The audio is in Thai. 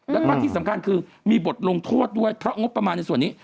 แล้วก็ที่สำคัญคือมีบทลงโทษด้วยเพราะงบประมาณในส่วนนี้